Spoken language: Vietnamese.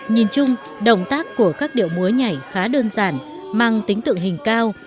nhìn chung động tác của các điệu múa nhảy khá đơn giản mang tính tự hình cao